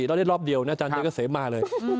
แล้วได้รอบเดียวนี่อาจารย์ชัยเกษมมาเลย